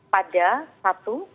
pada satu satu